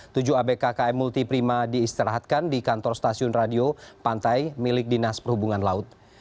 tujuh abk km multi prima diistirahatkan di kantor stasiun radio pantai milik dinas perhubungan laut